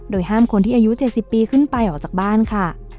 ห้ามคนที่อายุ๗๐ปีขึ้นไปออกจากบ้านค่ะ